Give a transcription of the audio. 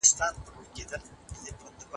کلاسیک اقتصاد اوس ډېر بدل سوی دی.